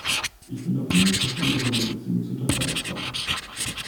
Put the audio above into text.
Ich bin dafür, dass wir eine Sonderbeziehung zur Türkei aufbauen.